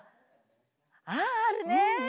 あああるね。